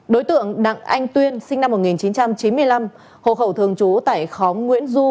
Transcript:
đối tượng đặng anh tuyên sinh năm một nghìn chín trăm chín mươi năm hộ khẩu thường trú tại khóm nguyễn du